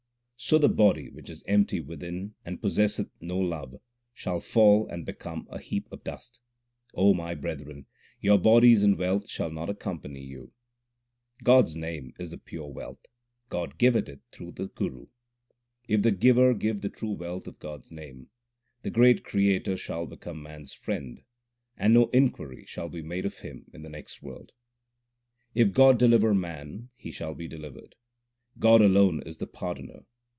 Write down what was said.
So the body which is empty within and possesseth no love, shall fall and become a heap of dust. O my brethren, your bodies and wealth shall not accompany you. God s name is the pure wealth ; God giveth it through the Guru. If the Giver give the true wealth of God s name, The great Creator shall become man s friend, and no inquiry shall be made of him in the next world. If God deliver man, he shall be delivered ; God alone is the Pardoner.